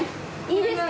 いいですか？